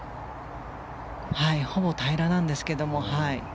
ほぼ平らなんですけれどもはい。